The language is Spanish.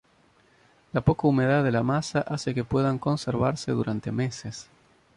La poca humedad de la masa hace que puedan conservarse durante meses.